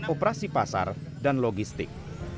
operasi pasar dan logistik